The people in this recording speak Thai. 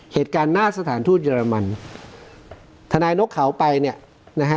เหตุการณ์หน้าสถานทูตเยอรมันทนายนกเขาไปเนี่ยนะฮะ